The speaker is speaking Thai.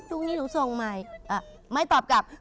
พรุ่งนี้หนูส่งใหม่ไม่ตอบกลับ